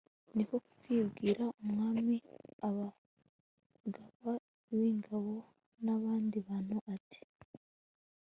ni ko kubwira umwami, abagaba b'ingabo n'abandi bantu, ati